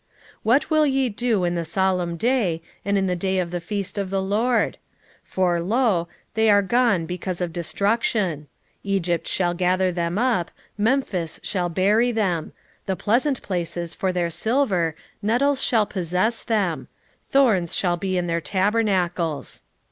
9:5 What will ye do in the solemn day, and in the day of the feast of the LORD? 9:6 For, lo, they are gone because of destruction: Egypt shall gather them up, Memphis shall bury them: the pleasant places for their silver, nettles shall possess them: thorns shall be in their tabernacles.